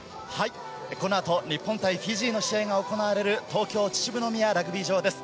このあと日本対フィジーの試合が行われる東京・秩父宮ラグビー場です。